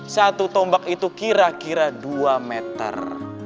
satu tombak itu kira kira dua meter